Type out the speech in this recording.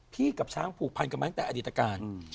กับช้างผูกพันกันมาตั้งแต่อดีตการ